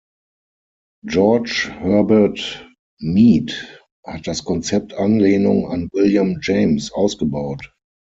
George Herbert Mead hat das Konzept Anlehnung an William James ausgebaut.